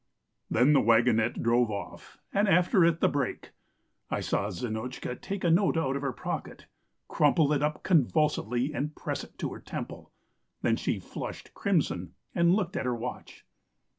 "Then the waggonette drove off, and after it the brake. ... I saw Zinotchka take a note out of her pocket, crumple it up convulsively and press it to her temple, then she flushed crimson and looked at her watch.